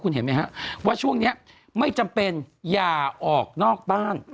เห็นไหมฮะว่าช่วงนี้ไม่จำเป็นอย่าออกนอกบ้าน